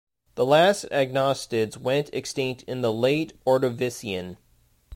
The last agnostids went extinct in the Late Ordovician.